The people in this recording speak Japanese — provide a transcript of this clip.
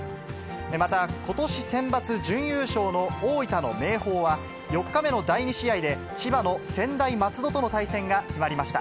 また、ことしセンバツ準優勝の大分の明豊は、４日目の第２試合で千葉の専大松戸との対戦が決まりました。